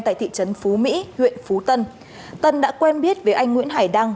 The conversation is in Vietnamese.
tại thị trấn phú mỹ huyện phú tân đã quen biết với anh nguyễn hải đăng